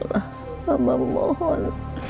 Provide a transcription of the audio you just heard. lah hamba mohon